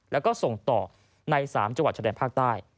แล้วก็ส่งต่อใน๓จังหวัดชะแดนภาคใต้